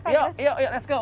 yuk yuk let's go